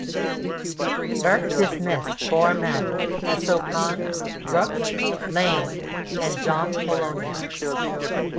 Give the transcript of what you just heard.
Burke dismissed four men; Essau Khan, Brooks, Lane and John Polongeaux.